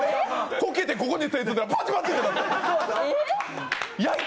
こけて、ここに手ついたらバチバチッて。